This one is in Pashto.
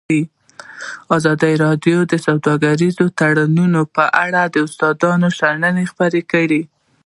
ازادي راډیو د سوداګریز تړونونه په اړه د استادانو شننې خپرې کړي.